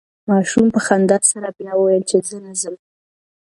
ماشوم په خندا سره بیا وویل چې زه نه ځم.